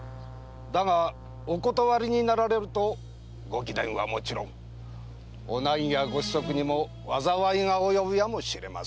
だがお断りになられるとご貴殿は勿論お内儀やご子息にも災いが及ぶやもしれませぬな。